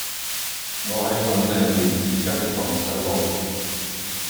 我喺粉嶺聯捷街盪失路